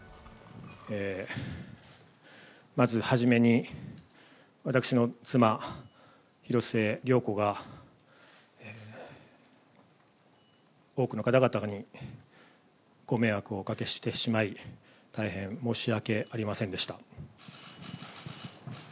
まず初めに、私の妻、広末涼子が多くの方々にご迷惑をおかけしてしまい、大変申し訳ありませんでした。